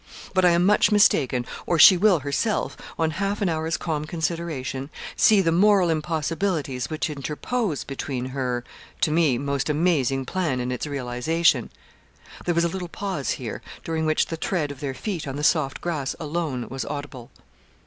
But I am much mistaken, or she will herself, on half an hour's calm consideration, see the moral impossibilities which interpose between her, to me, most amazing plan and its realisation.' There was a little pause here, during which the tread of their feet on the soft grass alone was audible.